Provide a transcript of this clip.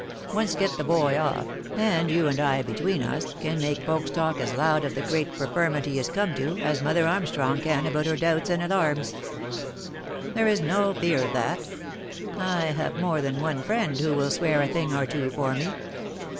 Once get the boy off, and you and I between us, can make folks talk as loud of the great preferment he is come to, as mother Armstrong can about her doubts and alarms. There is no fear of that — I have more than one friend who will swear a thing or two for me.